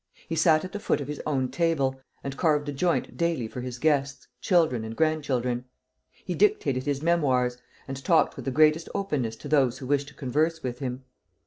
He sat at the foot of his own table, and carved the joint daily for his guests, children, and grandchildren. He dictated his Memoirs, and talked with the greatest openness to those who wished to converse with him.